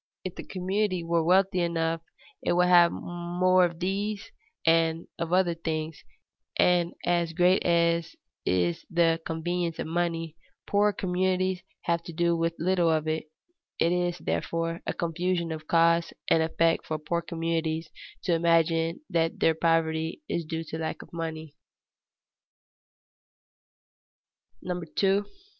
If the community were wealthy enough it would have more of these and of other things, and great as is the convenience of money, poorer communities have to do with little of it. It is, therefore, a confusion of cause and effect for poor communities to imagine that their poverty is due to lack of money. [Sidenote: The use of money as a common denominator] 2.